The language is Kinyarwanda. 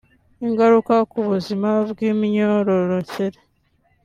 Ingaruka ku buzima bwimyororokere